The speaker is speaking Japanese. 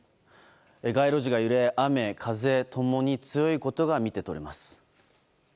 街路樹が揺れ、雨風ともに強いことが見て取れます。